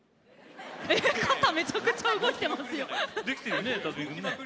肩がめちゃくちゃ動いていますよ。